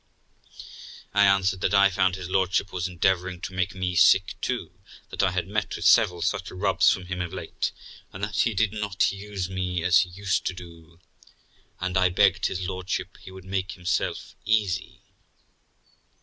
I answered that I found his lordship was endeavouring to make me sick too ; that I had met with several such rubs from him of late, and that he did not use me as he used to do, and I begged his lordship he would make himself easy.